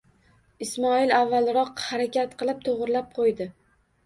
Ismoil avvalroq harakat qilib, to'g'rilab qo'ydi.